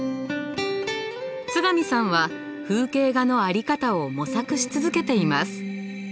津上さんは風景画の在り方を模索し続けています。